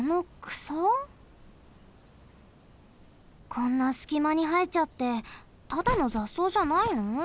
こんなすきまにはえちゃってただのざっそうじゃないの？